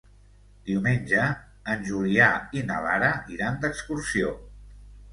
Diumenge en Julià i na Lara iran d'excursió.